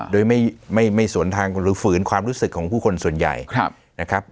โดยไม่สวนทางหรือฝืนความรู้สึกของผู้คนส่วนใหญ่นะครับ